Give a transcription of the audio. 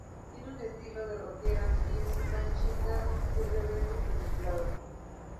Tiene un estilo de "rockera" y es una chica muy rebelde y manipuladora.